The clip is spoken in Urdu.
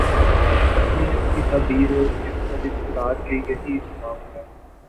اپنی اپنی تعبیر اور اس پر اصرار کہ یہی اسلام ہے۔